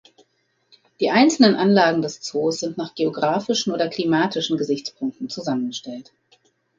Die einzelnen Anlagen des Zoos sind nach geographischen oder klimatischen Gesichtspunkten zusammengestellt.